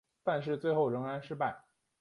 但是最后仍然失败。